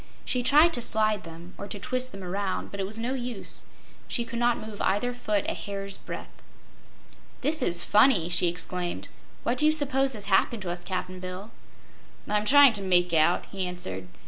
She tried to slide them, or to twist them around, but it was no use; she could not move either foot a hair's breadth. "This is funny!" she exclaimed. "What do you 'spose has happened to us, Cap'n Bill?" "I'm tryin' to make out," he answered.